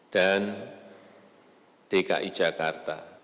dan dki jakarta